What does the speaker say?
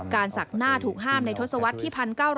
ศักดิ์หน้าถูกห้ามในทศวรรษที่๑๙๐